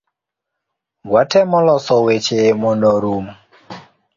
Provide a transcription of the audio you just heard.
Watemo loso weche mondo orum